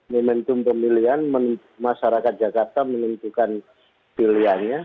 momentum pemilihan masyarakat jakarta menentukan pilihannya